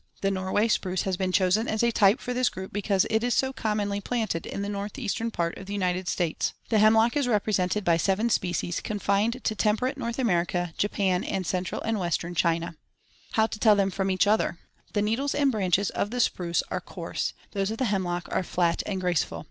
The Norway spruce has been chosen as a type for this group because it is so commonly planted in the northeastern part of the United States. The hemlock is represented by seven species, confined to temperate North America, Japan, and Central and Western China. [Illustration: FIG. 7. The Norway Spruce.] How to tell them from each other: The needles and branches of the spruce are coarse; those of the hemlock are flat and graceful.